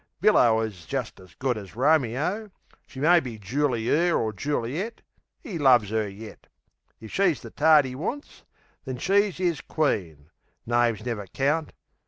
Billo is just as good as Romeo. She may be Juli er or Juli et 'E loves 'er yet. If she's the tart 'e wants, then she's 'is queen, Names never count...